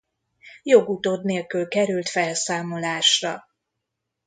Jogutód nélkül került felszámolásra.